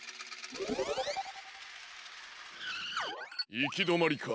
いきどまりか。